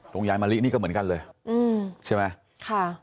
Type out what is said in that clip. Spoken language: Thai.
ยายมะลินี่ก็เหมือนกันเลยใช่ไหมค่ะ